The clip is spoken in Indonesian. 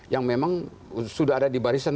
yang memang sudah ada di barisan